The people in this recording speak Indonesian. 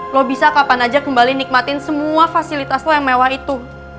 lo bisa kapan aja kembali nikmatin semua fasilitas lo yang mewah itu